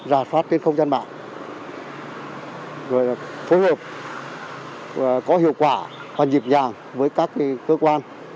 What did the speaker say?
rà phát đến không gian mạng phối hợp có hiệu quả hoàn dịp nhàng với các cơ quan